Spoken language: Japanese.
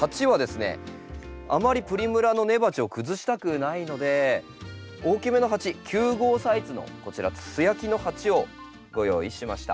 鉢はですねあまりプリムラの根鉢を崩したくないので大きめの鉢９号サイズのこちら素焼きの鉢をご用意しました。